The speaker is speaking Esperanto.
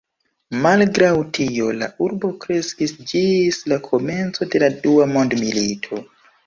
Malgraŭ tio, la urbo kreskis ĝis la komenco de la Dua mondmilito.